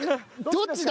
どっちだ？